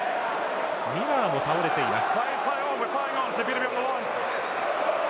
ミラーも倒れています。